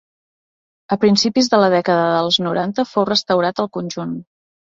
A principis de la dècada dels noranta fou restaurat el conjunt.